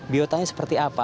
biotanya seperti apa